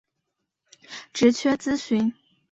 职缺资讯